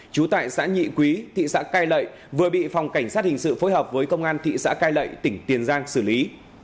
trú tại xã nhị quý thị xã cai lậy vừa bị phòng cảnh sát hình sự phối hợp với công an thị xã cai lậy tỉnh tiền giang xử lý